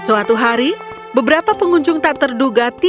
dan suatu hari beberapa pengunjung tak terduga tiba di penampungan